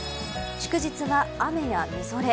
祝日は雨やみぞれ。